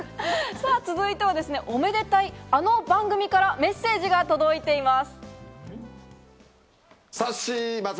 続いては、おめでたいあの番組からメッセージが届いています。